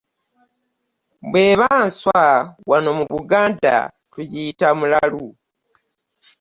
Bw'eba nswa wano mu Buganda tugiyita mulalu.